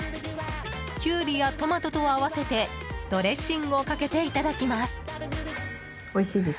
キュウリやトマトと合わせてドレッシングをかけていただきます。